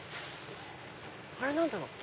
あれ何だろう？